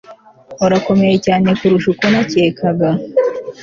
Urakomeye cyane kurusha uko nacyekaga